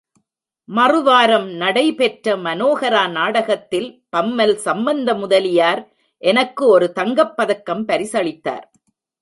மறுவாரம் நடை பெற்ற மனோஹரா நாடகத்தில் பம்மல் சம்பந்தமுதலியார் எனக்கு ஒரு தங்கப்பதக்கம் பரிசளித்தார்.